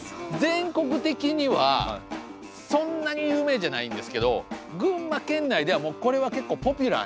全国的にはそんなに有名じゃないんですけど群馬県内ではこれは結構ポピュラーな。